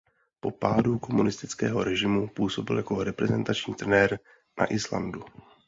Po pádu komunistického režimu působil jako reprezentační trenér na Islandu.